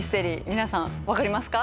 皆さん分かりますか？